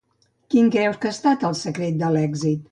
Quin creus que ha estat el secret de l’èxit?